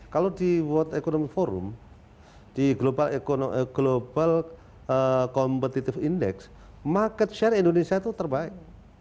kalau di world economy forum di global competitive index market share indonesia itu terbaik